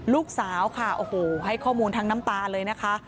ลูกสาวค่ะโอ้โหให้ข้อมูลทั้งน้ำตาเลยนะคะ